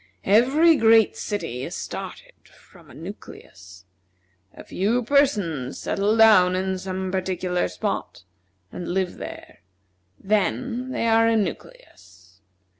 Every great city is started from a nucleus. A few persons settle down in some particular spot, and live there. Then they are a nucleus.